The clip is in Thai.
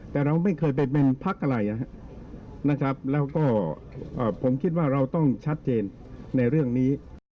แต่เราไม่เคยไปเป็นพักอะไรนะครับแล้วก็ผมคิดว่าเราต้องชัดเจนในเรื่องนี้